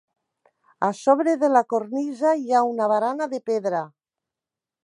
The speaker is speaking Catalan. A sobre de la cornisa hi ha una barana de pedra.